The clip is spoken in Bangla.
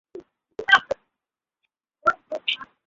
হ্যাঁ, সে-ই প্রথমে ঘটনাস্থলে পৌঁছেছিল।